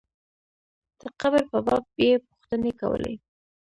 د قبر په باب یې پوښتنې کولې.